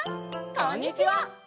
こんにちは！